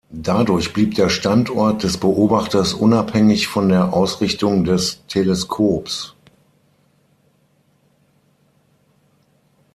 Dadurch blieb der Standort des Beobachters unabhängig von der Ausrichtung des Teleskops.